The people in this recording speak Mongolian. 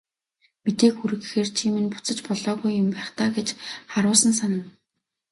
Мэдээ хүргэхээр чи минь буцаж болоогүй юм байх даа гэж харуусан санана.